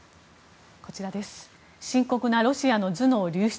深刻なロシアの頭脳流出